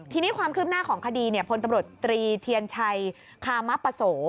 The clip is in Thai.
ทีนี้ความคืบหน้าของคดีพลตำรวจตรีเทียนชัยคามปโส